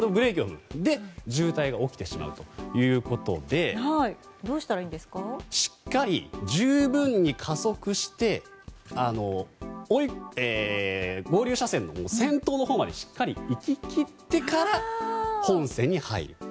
渋滞が起きてしまうということでしっかり十分に加速して合流車線の先頭のほうまでしっかり行ききってから本線に入る。